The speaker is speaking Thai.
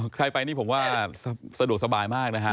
ใครไปนี่ผมว่าสะดวกสบายมากนะฮะ